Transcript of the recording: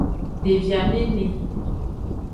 Devi amene.